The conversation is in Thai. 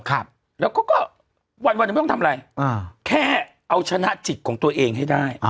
แล้วก็วันไม่ต้องทำอะไรแค่เอาชนะจิตของตัวเองให้ได้